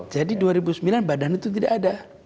jadi dua ribu sembilan badan itu tidak ada